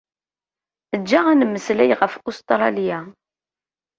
Eǧǧ-aɣ ad nemmeslay ɣef Ustṛalya.